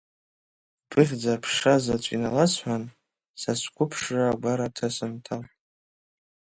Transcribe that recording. Быхьӡаԥша заҵәы иналасҳәан, са сқәыԥшра агәараҭа сынҭалт!